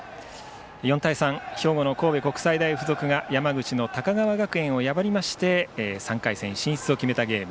４対３、兵庫の神戸国際大付属が山口の高川学園を破りまして３回戦進出を決めたゲーム。